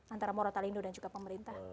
antara morotalindo dan juga pemerintah